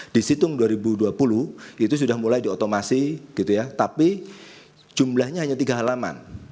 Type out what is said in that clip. di situng dua ribu dua puluh itu sudah mulai diotomasi tapi jumlahnya hanya tiga halaman